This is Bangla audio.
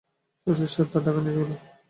শ্বশুরসাহেব তারে ঢাকা নিয়ে গেলেন।